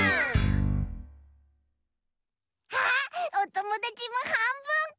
あっおともだちもはんぶんこ！